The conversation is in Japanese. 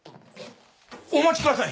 お待ちください